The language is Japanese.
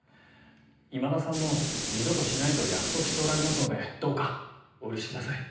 今田さんも二度としないと約束しておられますのでどうかお許しください。